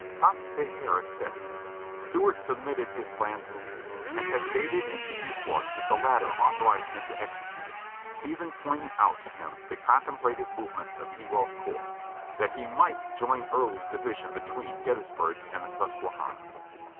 Comte De Paris says : "Stuart submitted his plan to Lee, and has stated in his report that the latter authorized him to execute it, even pointing out to him the contemplated movements of Ewell's corps, that he might join Early's division between Gettysburg and the Susquehanna.